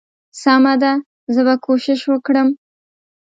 سمه ده زه به کوشش وکړم.